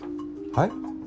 はい？